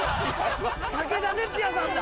武田鉄矢さんだ。